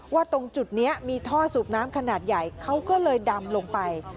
ตรงจุดนี้มีท่อสูบน้ำขนาดใหญ่เขาก็เลยดำลงไป